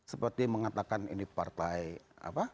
seperti mengatakan ini partai apa